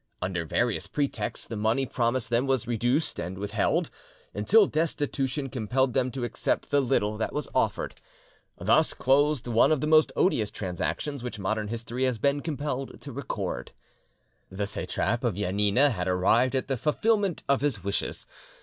Under various pretexts the money promised them was reduced and withheld, until destitution compelled them to accept the little that was offered. Thus closed one of the most odious transactions which modern history has been compelled to record. The satrap of Janina had arrived at the fulfilment of his wishes.